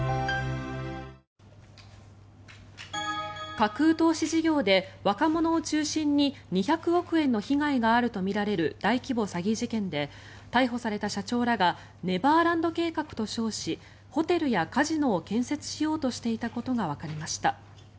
架空投資事業で若者を中心に２００億円の被害があるとみられる大規模詐欺事件で逮捕された社長らがネバーランド計画と称しホテルやカジノを建設しようとしていたことがわかりました。